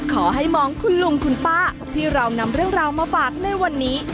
ขอให้มองคุณลุงคุณป้าที่เรานำเรื่องราวมาฝากในวันนี้